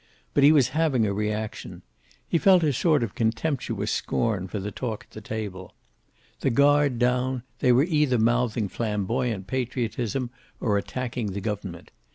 But he was having a reaction. He felt a sort of contemptuous scorn for the talk at the table. The guard down, they were either mouthing flamboyant patriotism or attacking the Government.